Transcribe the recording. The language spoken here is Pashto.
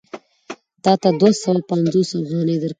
تا ته دوه سوه پنځوس افغانۍ درکوي